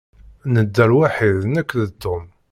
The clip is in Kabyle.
Nedda lwaḥid nekk d Tom.